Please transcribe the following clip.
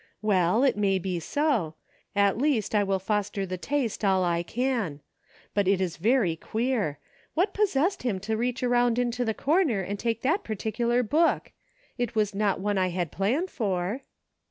Well, it may be so; at least I will foster the taste all I can. But it is very queer .• What possessed him to reach around into the corner and take that particular book } It was not the one I had planned for."